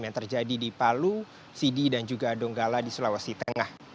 yang terjadi di palu sidi dan juga donggala di sulawesi tengah